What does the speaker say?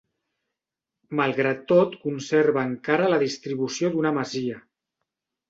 Malgrat tot conserva encara la distribució d'una masia.